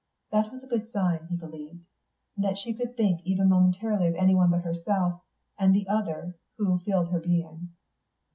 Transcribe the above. That was a good sign, he believed, that she could think even momentarily of anyone but herself and the other who filled her being.